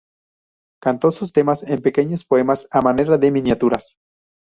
Cantó sus temas en pequeños poemas a manera de miniaturas.